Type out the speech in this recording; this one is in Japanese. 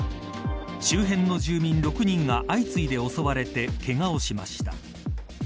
周辺の住民６人が相次いで襲われてけがをしました。